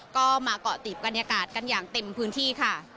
ก็มาเกาะติดบรรยากาศกันอย่างเต็มพื้นที่ค่ะ